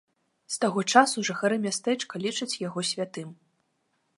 З таго часу жыхары мястэчка лічаць яго святым.